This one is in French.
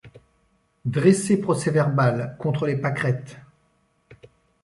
Dressez procès-verbal contre les pâquerettes